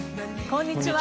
こんにちは。